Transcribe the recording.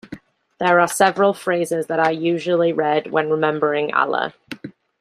There are several phrases that are usually read when remembering Allah.